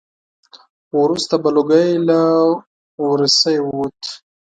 وروسته به لوګی له ورسی ووت.